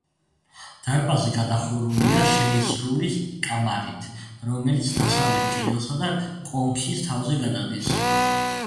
დარბაზი გადახურულია შეისრული კამარით, რომელიც დასავლეთ კედელსა და კონქის თავზე გადადის.